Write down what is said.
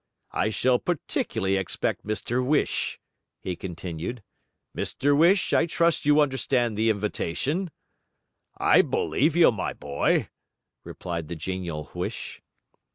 'I shall particularly expect Mr Whish,' he continued. 'Mr Whish, I trust you understand the invitation?' 'I believe you, my boy!' replied the genial Huish.